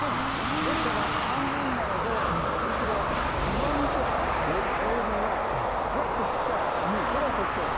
ですから、半分なので、むしろ、うまみとか香りがぐっと引き立つと、これが特徴です。